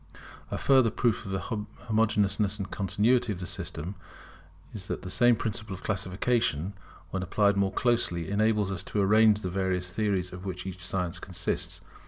A further proof of the homogeneousness and continuity of the system is that the same principle of classification, when applied more closely, enables us to arrange the various theories of which each science consists.